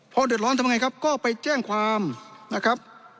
พอเดือดร้อนทำไงครับก็ไปแจ้งความนะครับ